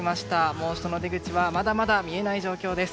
猛暑の出口はまだまだ見えない状況です。